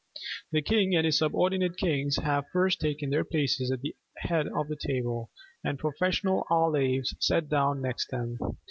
The king and his subordinate kings having first taken their places at the head of the table, the professional ollaves sat down next them.